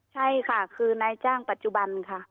ใช่ค่ะคือนายจ้างปัจจุบันค่ะ